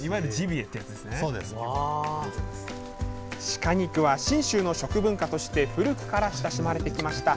鹿肉は信州の食文化として古くから親しまれてきました。